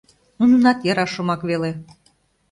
Нунынат яра шомак веле.